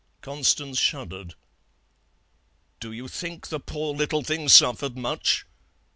"Constance shuddered. 'Do you think the poor little thing suffered much?'